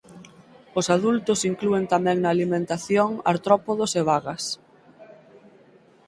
Os adultos inclúen tamén na alimentación artrópodos e bagas.